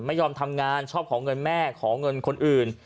ไม่ยอมทำงานชอบขอเงินแม่ขอเงินคนอื่น